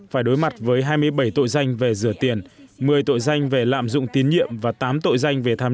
phải đối mặt với hai mươi bảy tội danh về rửa tiền một mươi tội danh về lạm dụng tín nhiệm và tám tội danh về tham